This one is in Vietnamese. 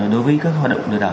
đối với các hoạt động lừa đảo